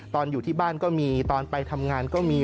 อยู่ที่บ้านก็มีตอนไปทำงานก็มี